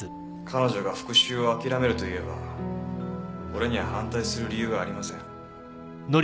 彼女が復讐を諦めると言えば俺には反対する理由がありません。